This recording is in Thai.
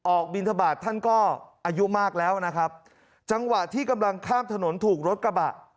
บินทบาทท่านก็อายุมากแล้วนะครับจังหวะที่กำลังข้ามถนนถูกรถกระบะ